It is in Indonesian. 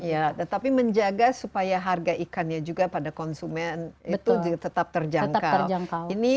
ya tetapi menjaga supaya harga ikannya juga pada konsumen itu tetap terjangkau